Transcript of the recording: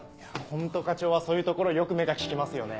ホント課長はそういうところよく目が利きますよね。